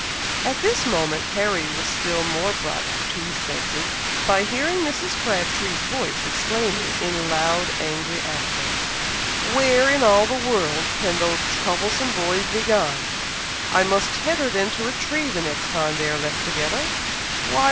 At this moment, Harry was still more brought to his senses, by hearing Mrs. Crabtree's voice, exclaiming, in loud angry accents, "Where in all the world can those troublesome boys be gone! I must tether them to a tree the next time they are left together! Why!